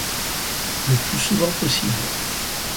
Le plus souvent possible.